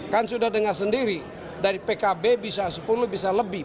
kan sudah dengar sendiri dari pkb bisa sepuluh bisa lebih